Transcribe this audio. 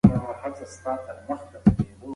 په فضایي اصطلاحاتو کې نژدې ګڼل کېږي.